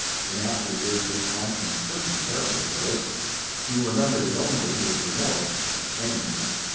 In after years his conscience hurt him terribly for this. He remembered it only with remorse and shame.